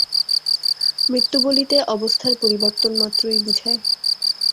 মৃত্যু বলিতে অবস্থার পরিবর্তন মাত্রই বুঝায়।